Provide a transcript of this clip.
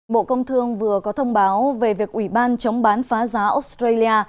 bộ công thương vừa có thông báo về việc ủy ban chống bán phá giá australia